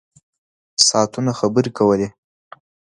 ساعتونه خبرې کولې.